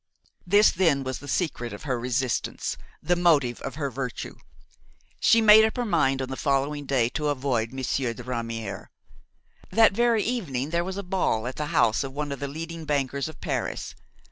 This then was the secret of her resistance, the motive of her virtue. She made up her mind on the following day to avoid Monsieur de Ramière. That very evening there was a ball at the house of one of the leading bankers of Paris.